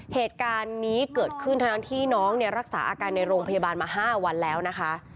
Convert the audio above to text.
เหตุการณ์นี้เกิดขึ้นทั้งที่น้องเนี่ยรักษาอาการในโรงพยาบาลมา๕วันแล้วนะคะ